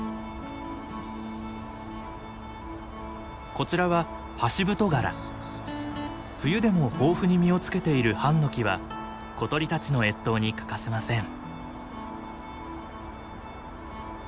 こちらは冬でも豊富に実をつけているハンノキは小鳥たちの越冬に欠かせません。